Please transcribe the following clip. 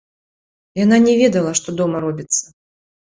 Яна не ведала, што дома робіцца.